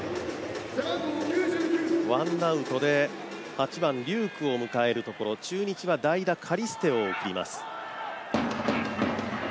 ワンアウトで８番、龍空を迎えるところ中日は代打・カリステを送ります。